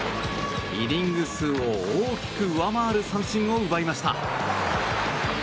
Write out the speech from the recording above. イニング数を大きく上回る三振を奪いました。